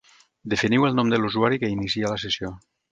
Definiu el nom de l'usuari que inicia la sessió.